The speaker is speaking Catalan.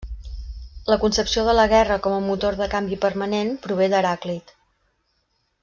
La concepció de la guerra com a motor de canvi permanent prové d'Heràclit.